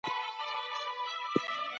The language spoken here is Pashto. مخالفت سوی وو.